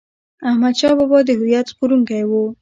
احمد شاه بابا د هویت ژغورونکی و.